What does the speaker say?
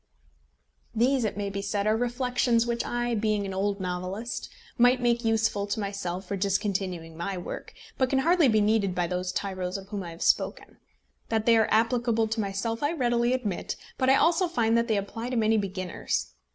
These, it may be said, are reflections which I, being an old novelist, might make useful to myself for discontinuing my work, but can hardly be needed by those tyros of whom I have spoken. That they are applicable to myself I readily admit, but I also find that they apply to many beginners.